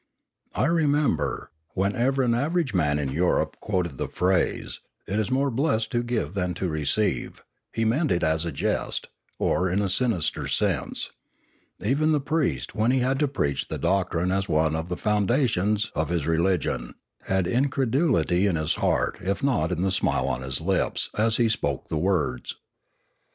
I remember, whenever an average man in Europe quoted the phrase, " It is more blessed to give than to receive," he meant it as a jest, or in a sinister sense; even the priest, when he had to preach the doctrine as one of the foundations of his re ligion, had incredulity in his heart if not in the smile on his lips, as he spoke the words.